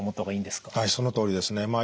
はいそのとおりですね。